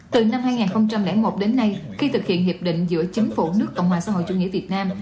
từ năm hai nghìn một đến nay khi thực hiện hiệp định giữa chính phủ nước cộng hòa xã hội chủ nghĩa việt nam